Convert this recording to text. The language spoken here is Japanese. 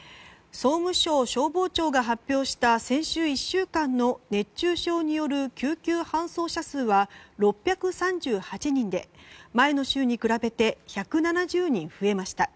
総務省消防庁が発表した先週１週間の熱中症による救急搬送者数は６３８人で、前の週に比べて１７０人増えました。